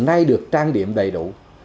này được trang điểm đầy đủ